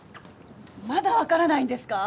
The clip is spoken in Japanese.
まだわからないんですか？